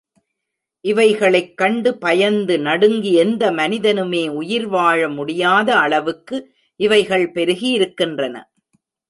இவைகளைக் கண்டு பயந்து நடுங்கி எந்த மனிதனுமே உயிர் வாழ முடியாத அளவுக்கு இவைகள் பெருகியிருக்கின்றன.